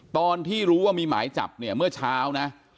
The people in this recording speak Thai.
ตอนที่รู้ว่ามีหมายจับเนี่ยเมื่อเช้านะ